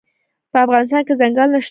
په افغانستان کې ځنګلونه شتون لري.